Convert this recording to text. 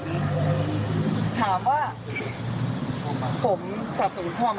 ผมไม่ได้บอกสนุนพอแต่ผมสาบสนุนประชาธิปไตยครับ